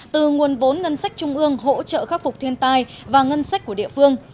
từ nguồn vốn ngân sách trung ương hỗ trợ khắc phục thiên tai và ngân sách của địa phương